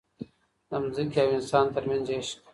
د ځمکې او انسان ترمنځ عشق.